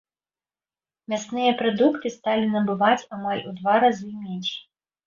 Мясныя прадукты сталі набываць амаль у два разы менш.